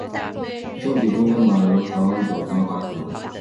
正体中文版由台湾角川发行。